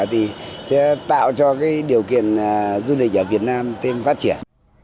thì sẽ tạo cho cái điều kiện du lịch ở việt nam thêm phát triển